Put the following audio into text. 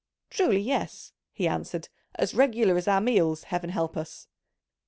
"Truly yes," he answered, "as regular as our meals, heaven help us!"